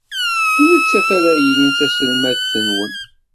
D nettat ara yilin d taselmadt-nwen.